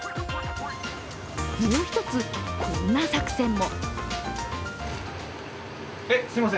もう一つ、こんな作戦も。